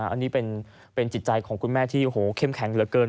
อันนี้เป็นจิตใจของคุณแม่ที่โอ้โหเข้มแข็งเหลือเกิน